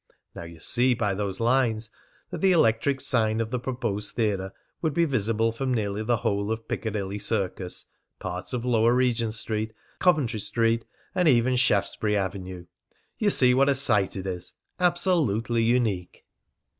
"Now you see by those lines that the electric sign of the proposed theatre would be visible from nearly the whole of Piccadilly Circus, parts of Lower Regent Street, Coventry Street, and even Shaftesbury Avenue. You see what a site it is absolutely unique."